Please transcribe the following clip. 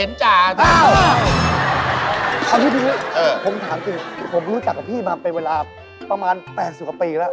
โอ้โฮต้องนั่งมอไซล์ลงไปจอดแล้วก็ข้ามข้างนี้ดู